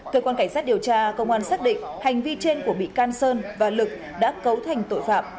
cơ quan cảnh sát điều tra công an xác định hành vi trên của bị can sơn và lực đã cấu thành tội phạm